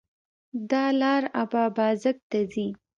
دا لار اببازک ته ځي